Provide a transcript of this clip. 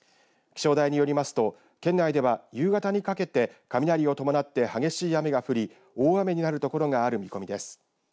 気象台によりますと県内では夕方にかけて雷を伴って激しい雨が降り大雨になる所がある見込みです。